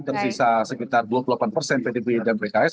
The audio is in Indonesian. tersisa sekitar dua puluh delapan persen pdb dan pks